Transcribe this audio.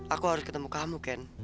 aku harus ketemu kamu kan